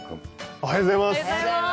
おはようございます。